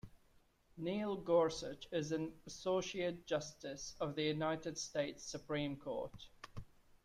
Neil Gorsuch is an Associate Justice of the United States Supreme Court.